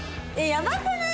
やばくない？